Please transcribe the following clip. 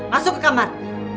masuk ke kamar